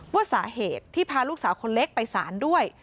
ว่าสาเหตุที่พาลูกสาวคนเล็กไปสารด้วย